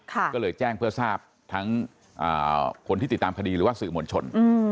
ก็เลยแจ้งเพื่อทราบทั้งคนที่ติดตามคดีหรือว่าสื่อมวลชน